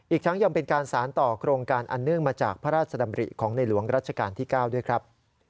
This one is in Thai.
อีกทั้งยังเป็นการสารต่อโครงการอันเนื่องมาจากพระราชดำริของในหลวงรัชกาลที่๙ด้วยครับ